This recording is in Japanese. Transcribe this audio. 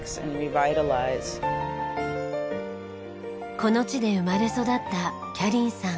この地で生まれ育ったキャリンさん。